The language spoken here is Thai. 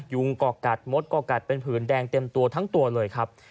ยุงก่อกัดมดก่อกัดเป็นผืนแดงเต็มตัวทั้งตัวเลยครับ